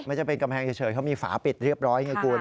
ไม่ใช่เป็นกำแพงเฉยเขามีฝาปิดเรียบร้อยไงคุณ